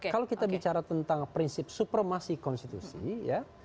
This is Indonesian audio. kalau kita bicara tentang prinsip supremasi konstitusi ya